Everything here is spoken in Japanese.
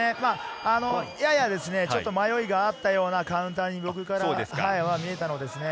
ややちょっと迷いがあったようなカウンターに僕からは見えたのですね。